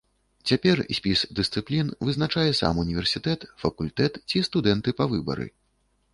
Цяпер спіс дысцыплін вызначае сам універсітэт, факультэт ці студэнты па выбары.